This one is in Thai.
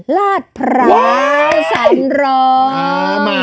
ลาดพร้าวสันรอมา